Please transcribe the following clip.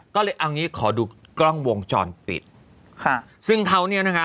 ก็เลยเอางี้ขอดูกล้องวงจรปิดค่ะซึ่งเขาเนี่ยนะคะ